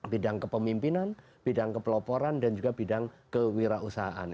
bidang kepemimpinan bidang kepeloporan dan juga bidang kewirausahaan